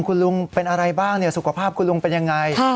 คุณลุงเป็นอะไรบ้างสุขภาพคุณลุงเป็นยังไง